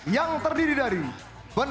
yang bisa mau ditimbulkan